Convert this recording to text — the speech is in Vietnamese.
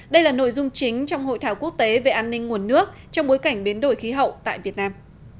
đây là nội dung chính trong hội thảo quốc tế về an ninh nguồn nước trong bối cảnh biến đổi khí hậu tại việt nam